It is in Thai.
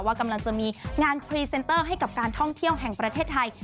ว่ากำลังจะมีงานพรีเซนเตอร์ให้กับการท่องเที่ยวแห่งประเทศไทย